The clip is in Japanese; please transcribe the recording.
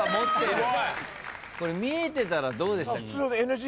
これ見えてたらどうでした？